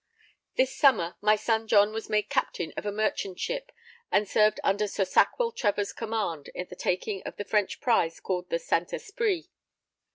This summer, my son John was made captain of a merchant ship, and served under Sir Sackvill Trevor's command at the taking of the French prize called the St. Esprit.